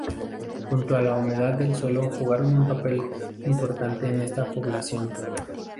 Junto a la humedad del suelo jugaron un papel importante en esta población.